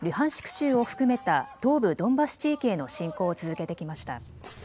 州を含めた東部ドンバス地域への侵攻を続けてきました。